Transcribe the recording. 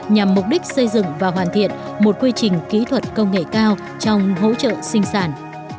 nhằm mục đích xây dựng và hoàn thiện một quy trình kỹ thuật công nghệ cao trong hỗ trợ sinh sản